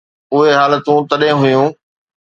اهي حالتون تڏهن هيون.